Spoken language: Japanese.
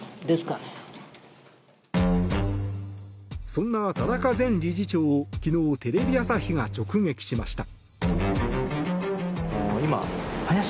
そんな田中前理事長を昨日テレビ朝日が直撃しました。